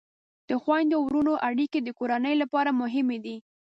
د خویندو او ورونو اړیکې د کورنۍ لپاره مهمې دي.